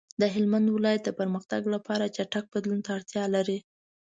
د هلمند ولایت د پرمختګ لپاره چټک بدلون ته اړتیا لري.